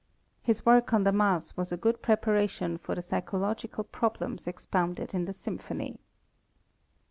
His work on the Mass was a good preparation for the psychological problems expounded in the Symphony.